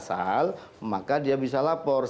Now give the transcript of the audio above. sehingga kita bisa melakukan